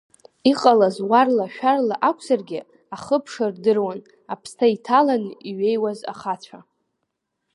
Иҟалаз уарла-шәарла акәзаргьы ахыԥша рдыруан аԥсҭа иҭаланы иҩеиуаз ахацәа.